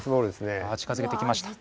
近づけてきました。